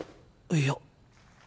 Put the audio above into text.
いや。